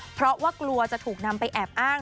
เพราะว่ากลัวจะถูกนำไปแอบอ้าง